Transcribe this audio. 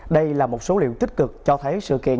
đây là một số liệu tích cực cho thấy sự kiện